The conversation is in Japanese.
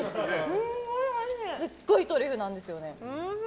すっごいトリュフなんですよね。